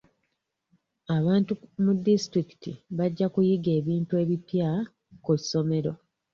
Abantu mu disitulikiti bajja kuyiga ebintu ebipya ku ssomero.